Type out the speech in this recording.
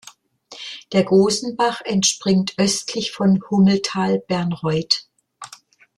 Der Gosenbach entspringt östlich von Hummeltal-Bärnreuth.